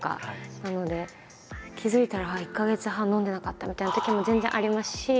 なので気付いたら１か月半飲んでなかったみたいなときも全然ありますし。